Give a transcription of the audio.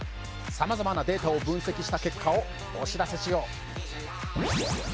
さまざまなデータを分析した結果をお知らせしよう。